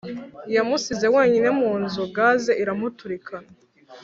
Yamusize wenyine munzu gaz iramuturikana